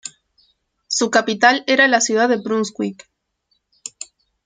Su capital era la ciudad de Brunswick.